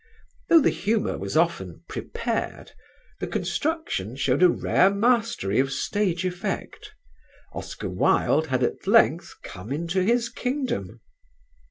Though the humour was often prepared, the construction showed a rare mastery of stage effect. Oscar Wilde had at length come into his kingdom.